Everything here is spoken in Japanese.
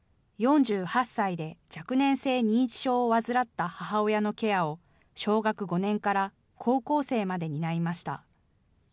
４８歳で若年性認知症を患った母親のケアを小学５年から高校生まで担いました。